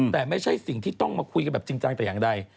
แต่ไม่ใช่สิ่งที่ต้องมาคุยกันแบบจริงจังแต่อย่างใด